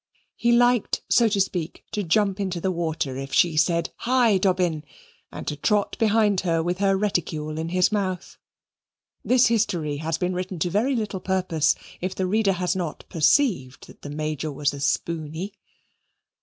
He liked, so to speak, to jump into the water if she said "High, Dobbin!" and to trot behind her with her reticule in his mouth. This history has been written to very little purpose if the reader has not perceived that the Major was a spooney.